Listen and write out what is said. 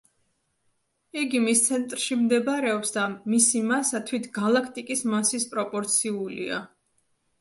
იგი მის ცენტრში მდებარეობს და მისი მასა თვით გალაქტიკის მასის პროპორციულია.